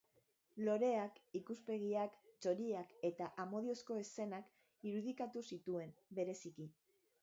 Loreak, ikuspegiak, txoriak eta amodiozko eszenak irudikatu zituen, bereziki.